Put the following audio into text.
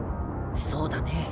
そうだね。